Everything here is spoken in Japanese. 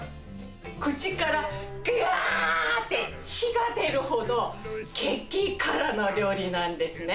口からがーって、火が出るほど、激辛の料理なんですね。